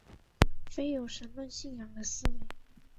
非有神论信仰的思维。